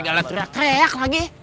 gila bergerak rekk lagi